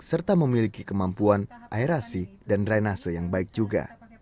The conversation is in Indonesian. serta memiliki kemampuan airasi dan drainase yang baik juga